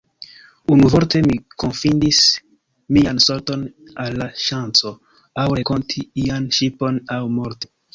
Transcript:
Unuvorte, mi konfidis mian sorton al la ŝanco; aŭ renkonti ian ŝipon aŭ morti.